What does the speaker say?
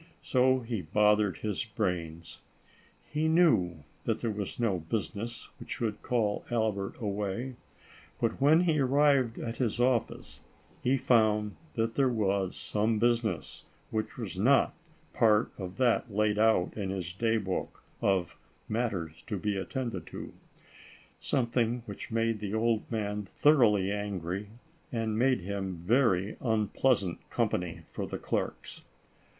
So he both ered his brains. He knew that there was no business, which could call Albert away; but, when he arrived at his office, he found that there was some business, which was not part of that laid out in his day book of "matters to be attended to," something which made the old man thor oughly angry, and made him very unpleasant com pany for the clerks.